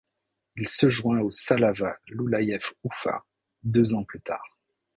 Il se joint au Salavat Ioulaïev Oufa deux ans plus tard.